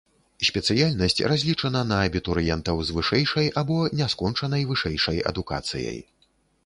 Спецыяльнасць разлічана на абітурыентаў з вышэйшай або няскончанай вышэйшай адукацыяй.